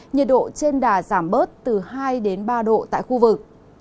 nhiệt độ trên đà giảm bớt từ hai đến ba độ tại khu vực